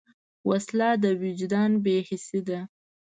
وسله د وجدان بېحسي ده